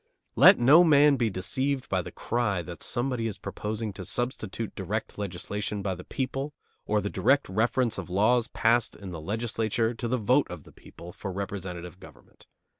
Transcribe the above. Let no man be deceived by the cry that somebody is proposing to substitute direct legislation by the people, or the direct reference of laws passed in the legislature, to the vote of the people, for representative government.